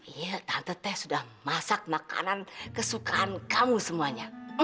iya tante teh sudah masak makanan kesukaan kamu semuanya